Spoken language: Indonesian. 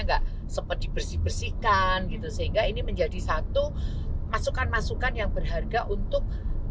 nggak sempat dibersih bersihkan gitu sehingga ini menjadi satu masukan masukan yang berharga untuk